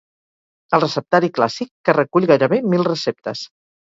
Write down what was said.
el receptari clàssic, que recull gairebé mil receptes